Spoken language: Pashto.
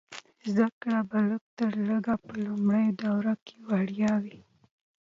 زده کړه به لږ تر لږه په لومړنیو دورو کې وړیا وي.